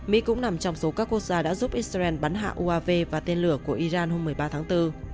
mỹ cũng nằm trong số các quốc gia đã giúp israel bắn hạ uav và tên lửa của iran hôm một mươi ba tháng bốn